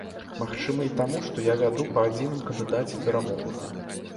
Магчыма і таму, што я вяду па адзіным кандыдаце перамовы.